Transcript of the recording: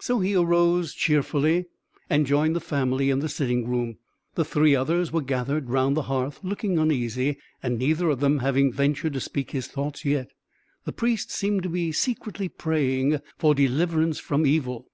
So he arose cheerfully, and joined the family in the sitting room. The three others were gathered round the hearth looking uneasy, and neither of them having ventured to speak his thoughts yet. The Priest seemed to be secretly praying for deliverance from evil.